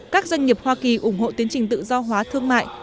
các doanh nghiệp hoa kỳ ủng hộ tiến trình tự do hóa thương mại